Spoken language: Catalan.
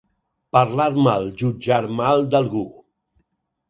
Parlar mal, jutjar mal, d'algú.